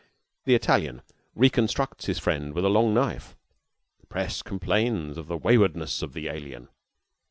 The Italian reconstructs his friend with a long knife. The press complains of the waywardness of the alien.